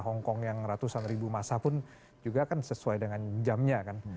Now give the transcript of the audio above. hongkong yang ratusan ribu masa pun juga kan sesuai dengan jamnya kan